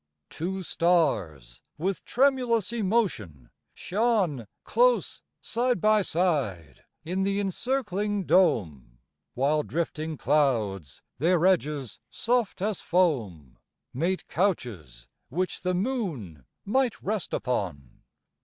Two stars with tremulous emotion shone Close side by side, in the encircling dome, While drifting clouds, their edges soft as foam, Made couches, which the moon might rest upon.